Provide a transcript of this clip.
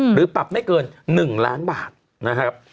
หรือปรับไม่เกิน๑ล้านบาทนะครับ